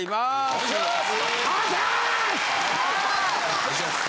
お願いします！